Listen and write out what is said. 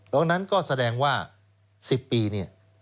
ดังนั้นก็แสดงว่า๑๐ปีเนี่ย